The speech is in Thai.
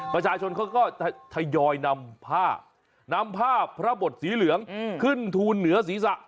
ประชาชนเขาก็ทยอยนำผ้านำผ้าพระบทสีเหลืองขึ้นทูลเหนือศีรษะ